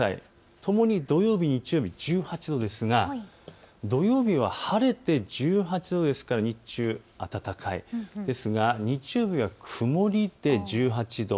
ともに土曜日、日曜日１８度ですが土曜日は晴れて１８度ですから日中暖かい、ですが日曜日は曇りで１８度。